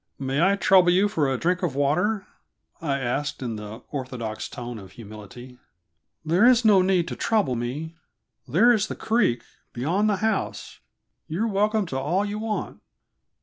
"May I trouble you for a drink of water?" I asked, in the orthodox tone of humility. "There is no need to trouble me; there is the creek, beyond the house; you are welcome to all you want."